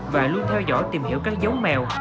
và luôn theo dõi tìm hiểu các giống mèo